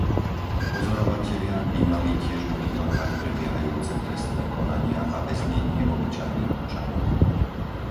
Pozorovatelia by mali tiež monitorovať prebiehajúce trestné konania a väznenie obyčajných občanov.